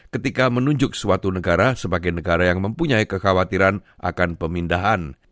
ketika menunjuk suatu negara sebagai negara yang mempunyai kekhawatiran akan pemindahan